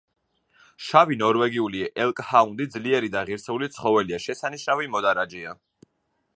შავი ნორვეგიული ელკჰაუნდი ძლიერი და ღირსეული ცხოველია, შესანიშნავი მოდარაჯეა.